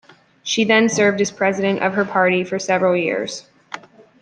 She then served as president of her party for several years.